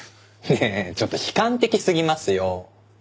ねえちょっと悲観的すぎますよ。